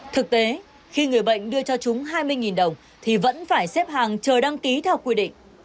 thực tế khi người bệnh đưa cho chúng hai mươi đồng thì vẫn phải xếp hàng chờ đăng ký theo quy định